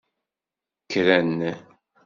Kkren.